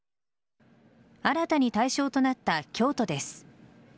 新たに対象となった京都です。